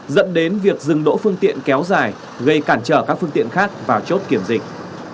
dẫn đến việc dừng đỗ phương tiện kéo dài gây cản trở các phương tiện khác vào chốt kiểm dịch